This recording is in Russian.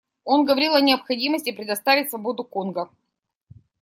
Он говорил о необходимости предоставить свободу Конго.